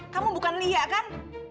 kamu bukan lia kan